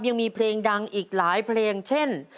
ยังมีเพลงดังอีกหลายเพลงเช่น